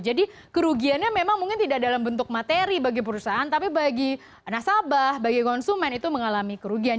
jadi kerugiannya memang mungkin tidak dalam bentuk materi bagi perusahaan tapi bagi nasabah bagi konsumen itu mengalami kerugian